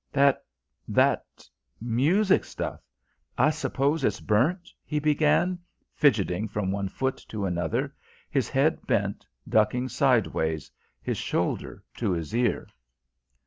"That that music stuff I suppose it's burnt?" he began, fidgeting from one foot to another, his head bent, ducking sideways, his shoulder to his ear.